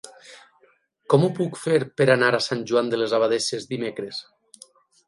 Com ho puc fer per anar a Sant Joan de les Abadesses dimecres?